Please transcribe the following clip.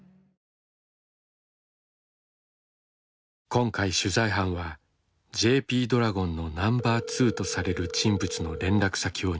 今回取材班はＪＰドラゴンのナンバー２とされる人物の連絡先を入手した。